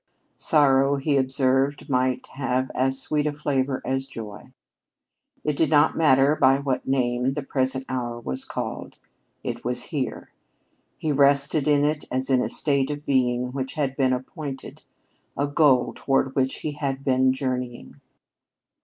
Sorrow, he observed, might have as sweet a flavor as joy. It did not matter by what name the present hour was called. It was there he rested in it as in a state of being which had been appointed a goal toward which he had been journeying.